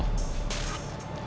karena gue kenal sekali